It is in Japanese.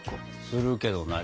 するけどな。